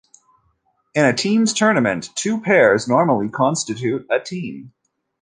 In a teams tournament, two pairs normally constitute a team.